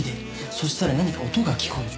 そしたら何か音が聞こえる。